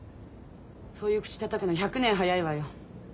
そういう口たたくの１００年早いわよ。